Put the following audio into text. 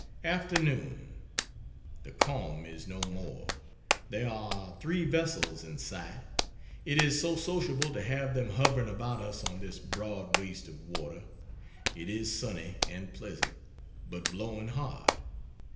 Afternoon The calm is no more. There are three vessels in sight. It is so sociable to have them hovering about us on this broad waste of water. It is sunny and pleasant, but blowing hard.